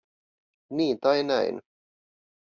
Niin tai näin.